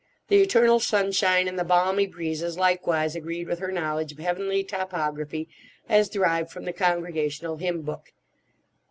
The "eternal sunshine" and the "balmy breezes" likewise agreed with her knowledge of heavenly topography as derived from the Congregational Hymn Book.